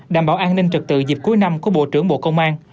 đảm bảo an ninh trực tự dịp cuối năm của bộ trưởng bộ công an